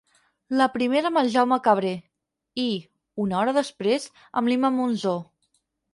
La primera amb el Jaume Cabré i, una hora després, amb l'Imma Monsó.